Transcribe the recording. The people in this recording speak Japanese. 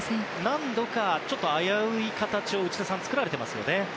何度か、ちょっと危うい形を作られていますね。